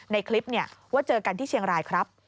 ในคลิปว่าเจอกันที่เชียงรายครับ